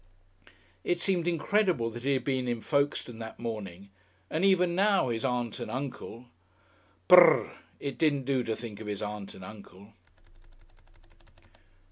It seemed incredible that he had been in Folkestone that morning, and even now his Aunt and Uncle ! Brrr. It didn't do to think of his Aunt and Uncle.